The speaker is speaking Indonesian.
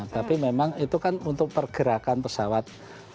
tapi memang itu kan untuk pergerakan pesawat